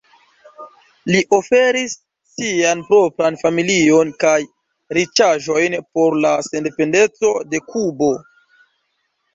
Li oferis sian propran familion kaj riĉaĵojn por la sendependeco de Kubo.